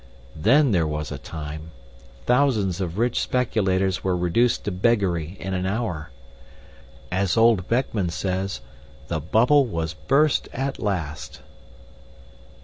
Then there was a time! Thousands of rich speculators were reduced to beggary in an hour. As old Beckman says, 'The bubble was burst at last.